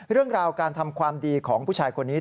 เรื่องราวการทำความดีของผู้ชายคนนี้